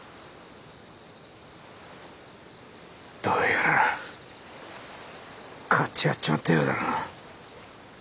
どうやらかち合っちまったようだな。